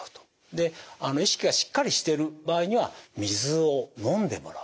で意識がしっかりしてる場合には水を飲んでもらう。